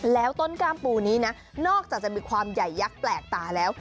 แล้วต้นกล้ามปูนี้นะนอกจากจะมีความใหญ่ยักษ์แปลกตาแล้ว